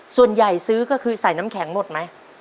ซื้อก็คือใส่น้ำแข็งหมดไหม